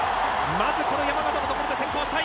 まずこの山縣のところで先行したい。